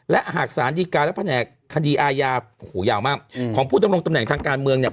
และหากสารดีการและแผนกคดีอาญาโอ้โหยาวมากของผู้ดำรงตำแหน่งทางการเมืองเนี่ย